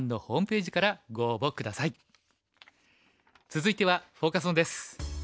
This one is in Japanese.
続いてはフォーカス・オンです。